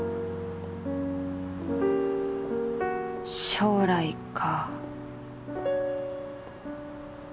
将来か